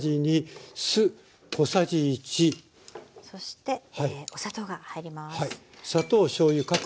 そしてお砂糖が入ります。